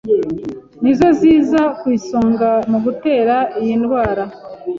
nizo ziza ku isonga mu gutera iyi ndwara.